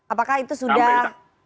apakah itu sudah